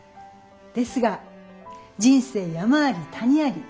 ですが人生山あり谷あり。